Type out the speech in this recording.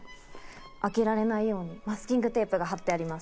開けられないようにマスキングテープが貼ってあります。